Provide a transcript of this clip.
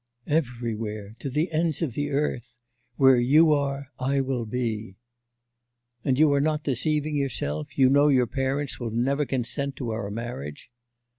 'Everywhere, to the ends of the earth. Where you are, I will be.' 'And you are not deceiving yourself, you know your parents will never consent to our marriage?